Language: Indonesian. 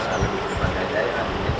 sekarang lebih bergantian dari hal ini